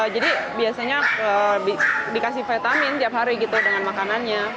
jadi biasanya dikasih vitamin tiap hari gitu dengan makanannya